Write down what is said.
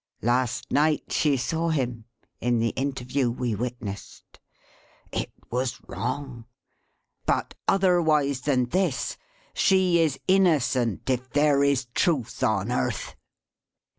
Last night she saw him, in the interview we witnessed. It was wrong. But otherwise than this, she is innocent if there is Truth on earth!"